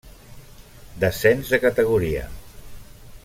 Descens de categoria.